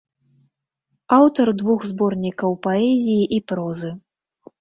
Аўтар двух зборнікаў паэзіі і прозы.